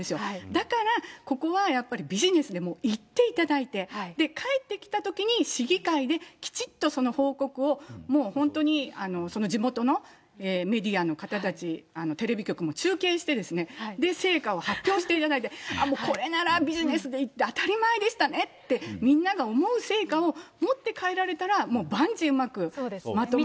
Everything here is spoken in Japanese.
だから、ここはやっぱりビジネスでも行っていただいて、で、帰ってきたときに市議会できちっとその報告を、もう本当に、地元のメディアの方たち、テレビ局も中継してですね、で、成果を発表していただいて、これならビジネスで行って当たり前でしたねって、みんなが思う成果を持って帰られたら、もう、万事うまくまとまる。